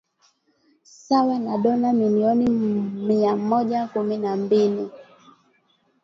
sawa na dola milioni mia mmoja kumi na mbili